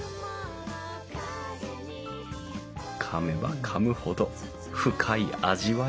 かめばかむほど深い味わい。